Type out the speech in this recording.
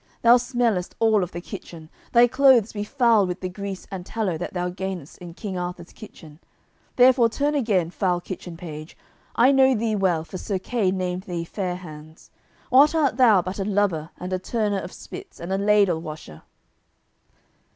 Thou smellest all of the kitchen; thy clothes be foul with the grease and tallow that thou gainedst in King Arthur's kitchen; therefore turn again, foul kitchen page. I know thee well, for Sir Kay named thee Fair hands. What art thou but a lubber and a turner of spits, and a ladle washer?"